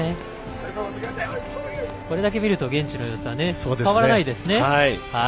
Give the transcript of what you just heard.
これだけ見ると現地の様子は変わらないですね。